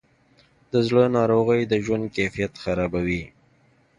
د زړه ناروغۍ د ژوند کیفیت خرابوي.